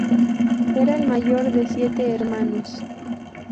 Era el mayor de siete hermanos.